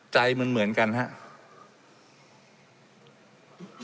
ใจมันเหมือนกันครับ